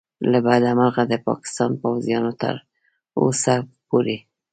له بده مرغه د پاکستان پوځیانو تر اوسه پورې